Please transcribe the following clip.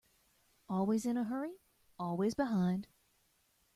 Always in a hurry, always behind.